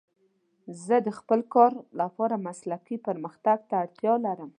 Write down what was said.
زه د خپل کار لپاره مسلکي پرمختګ ته اړتیا لرم.